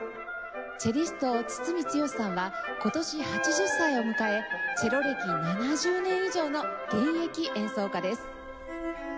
チェリスト堤剛さんは今年８０歳を迎えチェロ歴７０年以上の現役演奏家です。